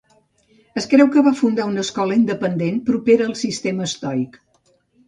Es creu que va fundar una escola independent propera al sistema estoic.